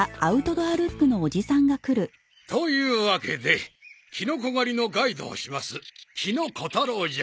というわけでキノコ狩りのガイドをします木野小太郎じゃ。